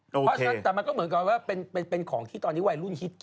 ได้โอเคแต่มันก็เหมือนกันว่าเป็นของที่ตอนนี้ไวรุ่นฮิตกิน